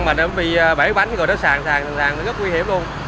mà nó bị bể bánh rồi nó sàn sàn sàn sàn rất nguy hiểm luôn